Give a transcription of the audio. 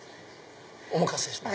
お任せします。